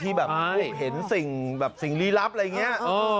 ที่แบบเห็นสิ่งหลีลับอะไรอย่างนี้